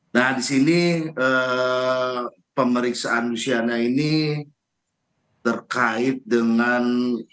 nah disini pemeriksaan lusiana ini terkait dengan